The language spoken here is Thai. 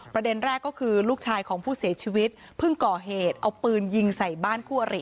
ประเด็นแรกก็คือลูกชายของผู้เสียชีวิตเพิ่งก่อเหตุเอาปืนยิงใส่บ้านคู่อริ